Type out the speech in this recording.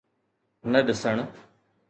نه ڏسڻ.